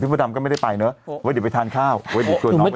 ที่จะเข้ารายการเมื่อกี้ที่เราคุยไหม